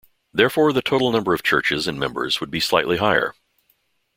Therefore, the total number of churches and members would be slightly higher.